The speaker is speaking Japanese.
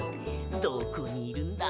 どこにいるんだ？